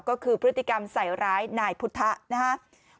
ก็คือพฤติกรรมใส่ร้ายนายพุทธะนะครับ